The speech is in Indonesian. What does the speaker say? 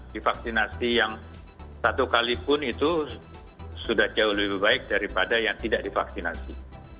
divaksinasi yang satu kalipun itu sudah jauh lebih baik daripada yang tidak divaksinasi